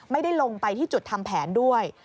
ไม่ได้ลงไปที่จุดทำแผนด้วย